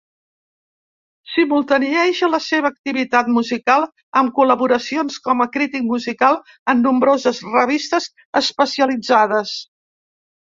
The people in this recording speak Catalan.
Simultanieja la seva activitat musical amb col·laboracions com a crític musical en nombroses revistes especialitzades.